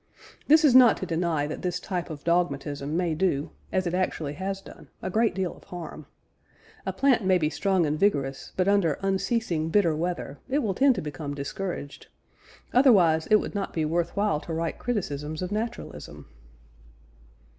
This is not to deny that this type of dogmatism may do, as it actually has done, a great deal of harm. A plant may be strong and vigorous, but under unceasing bitter weather, it will tend to become discouraged. Otherwise it would not be worth while to write criticisms of naturalism.